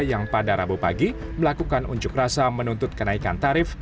yang pada rabu pagi melakukan unjuk rasa menuntut kenaikan tarif